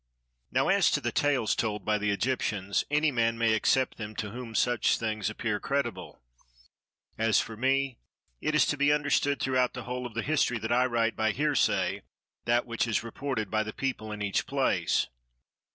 Now as to the tales told by the Egyptians, any man may accept them to whom such things appear credible; as for me, it is to be understood throughout the whole of the history that I write by hearsay that which is reported by the people in each place.